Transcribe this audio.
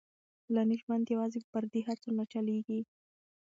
ټولنیز ژوند یوازې په فردي هڅو نه چلېږي.